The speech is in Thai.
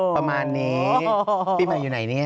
ประมาณนี้พี่มาอยู่ไหนนี่